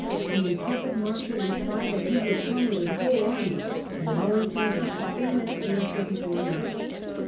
The intrepid Marshal replied that he would come with his whole army, and Wellington got the famous answer before night.